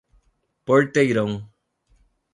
Porteirão